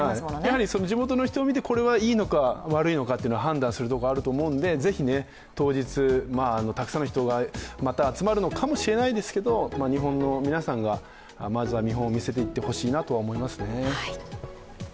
やはり地元の人を見て、これはいいのか悪いのかを判断するところがあると思うんでぜひ当日、たくさんの人がまた集まるのかもしれないですけど、日本の皆さんが、まずは見本を見せていってほしいと思いますよね。